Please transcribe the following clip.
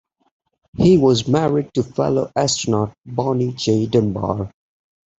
He was married to fellow astronaut Bonnie J. Dunbar.